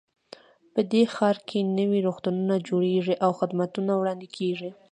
په دې ښار کې نوي روغتونونه جوړیږي او خدمتونه وړاندې کیږي